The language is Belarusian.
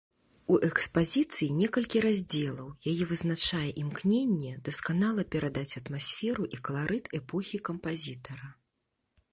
У экспазіцыі некалькі раздзелаў, яе вызначае імкненне дасканала перадаць атмасферу і каларыт эпохі кампазітара.